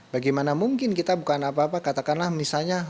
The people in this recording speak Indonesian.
bagaimana mungkin kita bukan apa apa katakanlah misalnya